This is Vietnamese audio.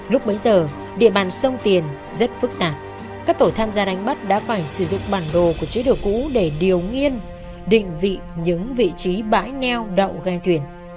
lúc bấy giờ địa bàn sông tiền rất phức tạp các tổ tham gia đánh bắt đã phải sử dụng bản đồ của chế độ cũ để điều nghiên định vị những vị trí bãi neo đậu gai thuyền